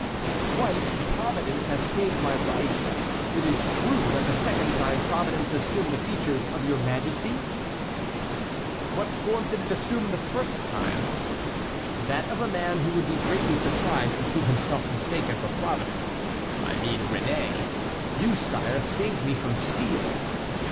"Twice Providence has saved my life. It is true that the second time Providence assumed the features of your Majesty?" "What form did it assume the first time?" "That of a man who would be greatly surprised to see himself mistaken for Providence; I mean Réné. You, sire, saved me from steel."